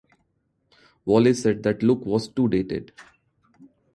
Wally said that look was too dated.